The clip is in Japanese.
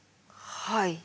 はい。